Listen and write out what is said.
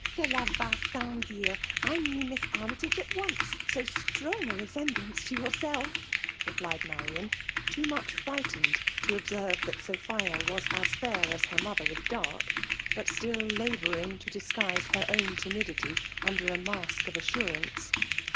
*'(*' Ceia va sans dire; I knew Miss Armytage at ooee^ so strong a resemblance to yourself/ rap{iedMarian, too much frightened to observe dsftt Sophia was as fair as her mother was dark; ImtMlU labouring to disguise her own timidSty under a mask of assurance.